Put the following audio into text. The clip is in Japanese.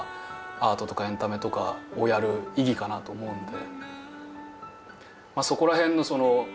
アートとかエンタメとかをやる意義かなと思うんで。